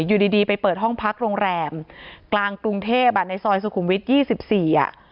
อยู่ดีไปเปิดห้องพักโรงแรมกลางกรุงเทพฯในซอยสุขุมวิทย์๒๔